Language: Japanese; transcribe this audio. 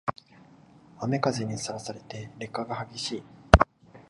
雨風にさらされて劣化が激しい